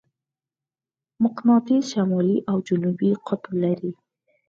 مقناطیس شمالي او جنوبي قطب لري.